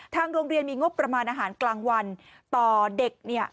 ทางโรงเรียนมีงบประมาณอาหารกลางวันต่อเด็กเนี่ย